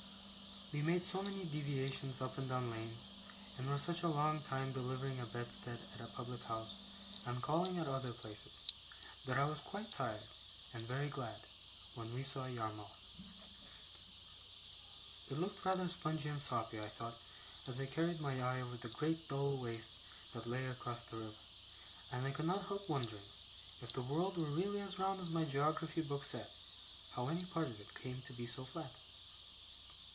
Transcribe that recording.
We made so many deviations up and down lanes, and were such a long time delivering a bedstead at a public house, and calling at other places, that I was quite tired, and very glad, when we saw Yarmouth. It looked rather spongy and soppy, I thought, as I carried my eye over the great dull waste that lay across the river; and I could not help wondering, if the world were really as round as my geography book said, how any part of it came to be so flat.